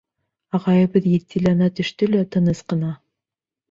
Ағайыбыҙ етдиләнә төштө лә тыныс ҡына: